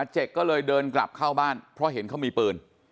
เจกก็เลยเดินกลับเข้าบ้านเพราะเห็นเขามีปืน